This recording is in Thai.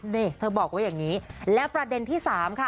นี่เธอบอกว่าอย่างนี้และประเด็นที่สามค่ะ